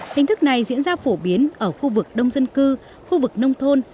hình thức này diễn ra phổ biến ở khu vực đông dân cư khu vực nông thôn